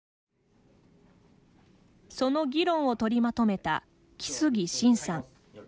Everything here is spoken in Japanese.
その議論を取りまとめた來生新さん。